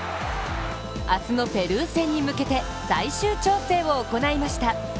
明日のペルー戦に向けて最終調整を行いました。